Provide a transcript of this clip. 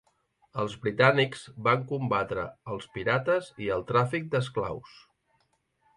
Els britànics van combatre als pirates i el tràfic d'esclaus.